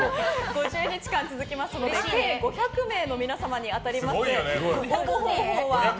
５０日間続きますので計５００名の皆様に当たります。